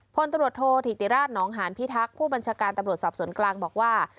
พลตำรวจโทษธิติราชนองหานพิทักษ์ผู้บัญชาการตำรวจสอบสวนกลางบอกว่า